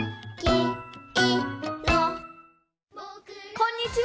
こんにちは！